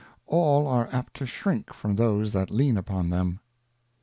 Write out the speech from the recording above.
All are apt to shrink from those that lean upon them.